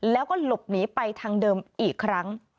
แล้วก็หลบหนีไปทางเดิมอีกครั้ง